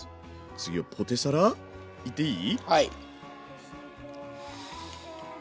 次はポテサラいっていい？